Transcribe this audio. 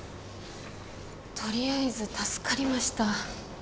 取りあえず助かりました。